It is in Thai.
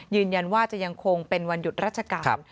ยืนยันว่าจะยังคงเป็นวันหยุดราชการ